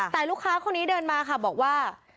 แต่ลูกค้าคนนี้เดินมาค่ะบอกว่า